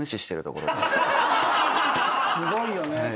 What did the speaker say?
すごいよね。